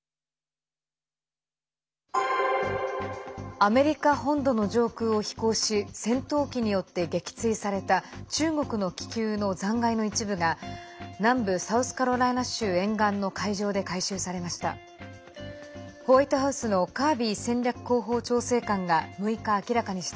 アメリカ本土の上空を飛行し戦闘機によって撃墜された中国の気球の残骸の一部が南部サウスカロライナ州沿岸の海上で回収されました。